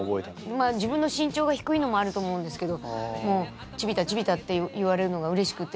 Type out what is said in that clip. まあ自分の身長が低いのもあると思うんですけどもうチビ太チビ太って言われるのがうれしくて。